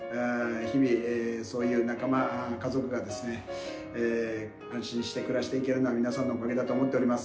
日々、そういう仲間、家族がですね、安心して暮らしていけるのは、皆さんのおかげだと思っています。